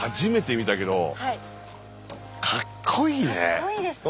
かっこいいですね。